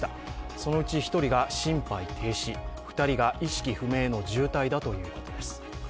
そのうち１人が心肺停止、２人が意識不明の重体だということです。